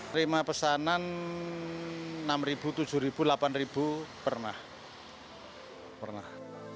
terima pesanan rp enam rp tujuh rp delapan pernah